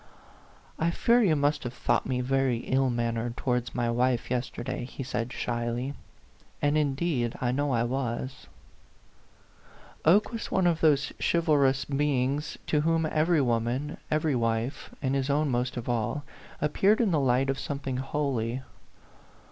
"I fear you must have thought me very ill mannered towards my wife yesterday," he said, shyly ;" and, indeed, I know I was." A PHANTOM LOVER. 41 Oke was one of those chivalrous beings O to whom every woman, every wife and his own most of all appeared in the light of something holy.